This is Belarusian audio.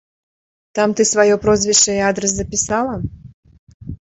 Там ты сваё прозвішча і адрас запісала?